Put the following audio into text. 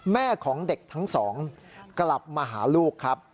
แม่ของเด็กทั้งสองกลับมาหาลูกครับ